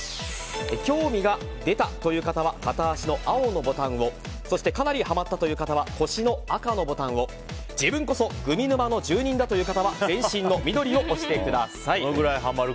興味が出たという方は片足の青のボタンをかなりハマったという方は腰の赤のボタンを自分こそグミ沼の住人だという方は全身の緑を押してください。